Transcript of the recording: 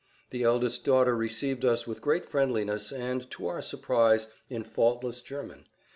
The eldest daughter received us with great friendliness and, to our surprise, in faultless German.